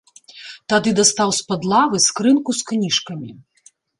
Тады дастаў з-пад лавы скрынку з кніжкамі.